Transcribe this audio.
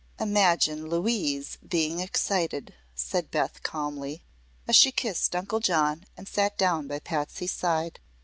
"Imagine Louise being excited," said Beth, calmly, as she kissed Uncle John and sat down by Patsy's side.